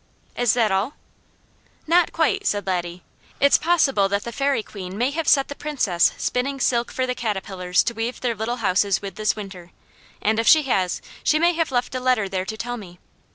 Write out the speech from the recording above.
"Is that all?" "Not quite," said Laddie. "It's possible that the Fairy Queen may have set the Princess spinning silk for the caterpillars to weave their little houses with this winter; and if she has, she may have left a letter there to tell me.